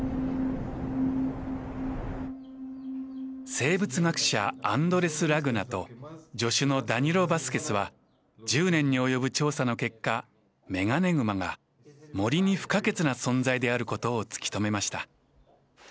生物学者アンドレス・ラグナと助手のダニロ・バスケスは１０年に及ぶ調査の結果メガネグマが森に不可欠な存在であることを突き止めました。